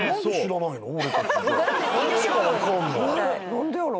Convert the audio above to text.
何でやろ？